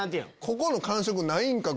ここの感触ないんか？